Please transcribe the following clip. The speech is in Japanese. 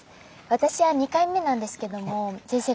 私は２回目なんですけども先生